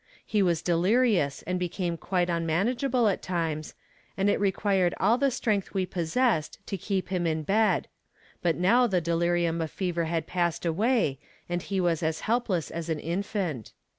He was delirious and became quite unmanageable at times, and it required all the strength we possessed to keep him in bed; but now the delirium of fever had passed away and he was helpless as an infant.